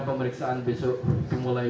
pemeriksaan besok dimulai